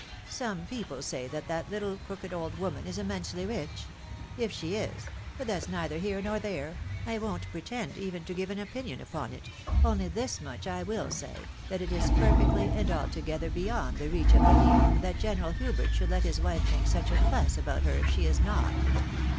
" Some people say that thathttle crooked old woman is immensely rich ; if she is — ^but that's neither here nor there — ^I won't pretend even to give an opinion upon it, — only this much I will say, that it is perfectly and altogether beyond the reach of belief that General Hubert should let his wife make such a fuss about her if she is not."